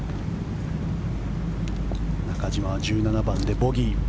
中島は１７番でボギー。